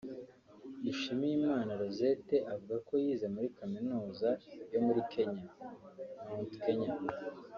Dushimiyimana Rosette avuga ko yize muri kaminuza yo muri Kenya (Mount Kenya)